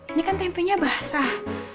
ini kan tempenya basah